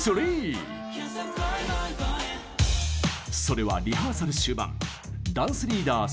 それはリハーサル終盤ダンスリーダー